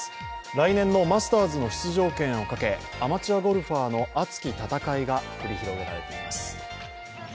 来年のマスターズの出場権をかけ、アマチュアゴルファーの熱き戦いが繰り広げられています。